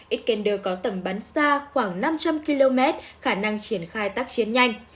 ecelder có tầm bắn xa khoảng năm trăm linh km khả năng triển khai tác chiến nhanh